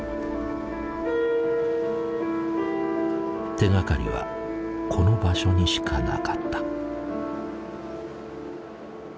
手がかりはこの場所にしかなかった。